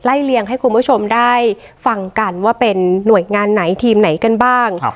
เลี่ยงให้คุณผู้ชมได้ฟังกันว่าเป็นหน่วยงานไหนทีมไหนกันบ้าง